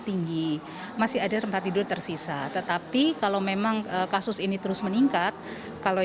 tinggi masih ada tempat tidur tersisa tetapi kalau memang kasus ini terus meningkat kalau